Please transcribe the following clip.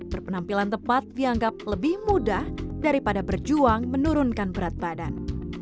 berpenampilan tepat dianggap lebih mudah daripada berjuang menurunkan berat badan